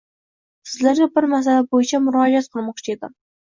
Sizlarga bir masala buyichba murojaat qilmoqchi edim.